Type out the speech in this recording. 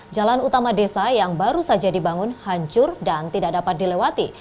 jalan utama desa yang baru saja dibangun hancur dan tidak dapat dilewati